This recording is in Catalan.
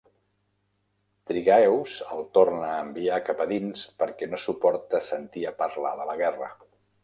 Trygaeus el torna a enviar cap a dins perquè no suporta sentir a parlar de la guerra.